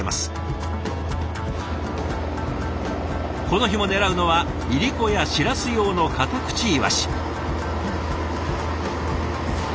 この日も狙うのはいりこやしらす用のカタクチイワシ。